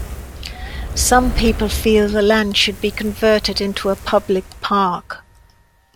Some people feel the land should be converted into a public park.